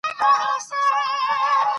په افغانستان کې د یورانیم تاریخ اوږد دی.